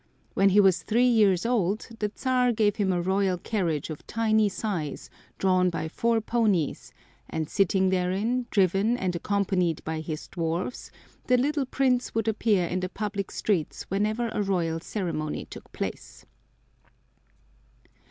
When he was three years old the Czar gave him a royal carriage of tiny size drawn by four ponies, and sitting therein, driven and accompanied by his dwarfs, the little Prince would appear in the public streets whenever a royal ceremony took place.